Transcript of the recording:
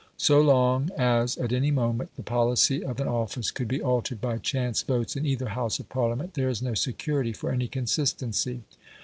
So long as at any moment the policy of an office could be altered by chance votes in either House of Parliament, there is no security for any consistency.